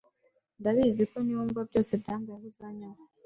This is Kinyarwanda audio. Ndabizi ko niwumva byose byambayeho uzanyanga